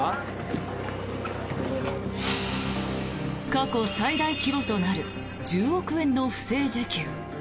過去最大規模となる１０億円の不正受給。